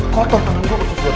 kotor tangan gue khusus buat ini